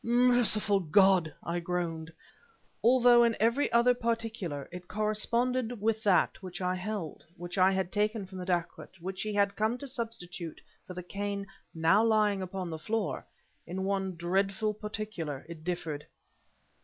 "Merciful God!" I groaned. Although, in every other particular, it corresponded with that which I held which I had taken from the dacoit which he had come to substitute for the cane now lying upon the floor in one dreadful particular it differed.